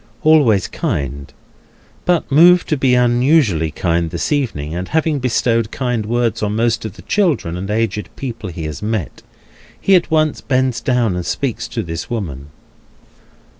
Always kindly, but moved to be unusually kind this evening, and having bestowed kind words on most of the children and aged people he has met, he at once bends down, and speaks to this woman.